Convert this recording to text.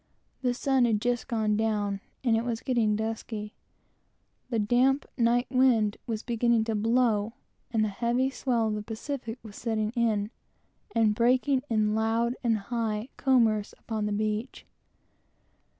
The sun had just gone down; it was getting dusky; the damp night wind was beginning to blow, and the heavy swell of the Pacific was setting in, and breaking in loud and high "combers" upon the beach.